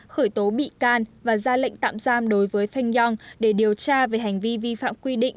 khởi tố bị can và ra lệnh tạm giam đối với feng yong để điều tra về hành vi vi phạm quy định